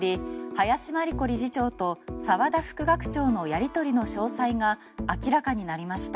林真理子理事長と澤田副学長のやり取りの詳細が明らかになりました。